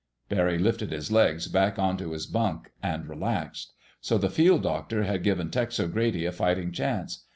Barry lifted his legs back onto his bunk and relaxed. So the field doctor had given Tex O'Grady a fighting chance!